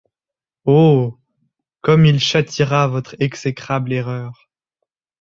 Oh ! comme il châtiera votre exécrable erreur !